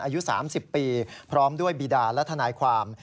อายุ๓๐ปีพร้อมด้วยบีดาและทนายความ